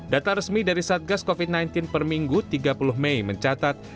data resmi dari satgas covid sembilan belas per minggu tiga puluh mei mencatat